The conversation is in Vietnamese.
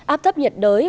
áp thấp nhiệt đới